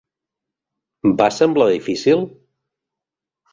Va semblar difícil?